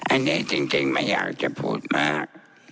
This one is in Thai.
อันนี้จริงไม่อยากจะพูดมาก